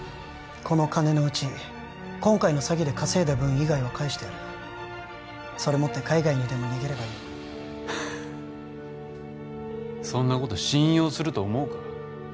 この金のうち今回の詐欺で稼いだ分以外は返してやるそれ持って海外にでも逃げればいいそんなこと信用すると思うか？